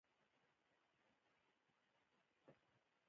ازادي راډیو د د مخابراتو پرمختګ په اړه پرله پسې خبرونه خپاره کړي.